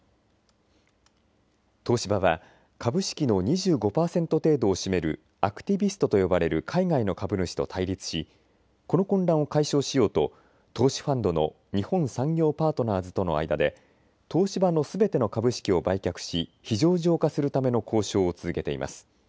東芝は株式の２５％程度を占めるアクティビストと呼ばれる海外の株主と対立し、この混乱を解消しようと投資ファンドの日本産業パートナーズとの間で東芝のすべての株式を売却し非上場化するための交渉を続けています。